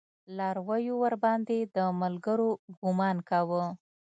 لارويو ورباندې د ملګرو ګمان کوه.